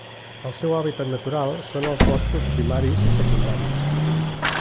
El seu hàbitat natural són els boscos primaris i secundaris.